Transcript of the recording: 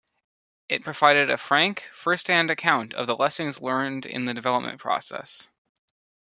It provided a frank, first-hand account of the lessons learned in the development process.